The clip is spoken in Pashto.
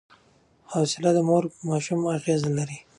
حوصله د مور په ماشوم اغېز لري.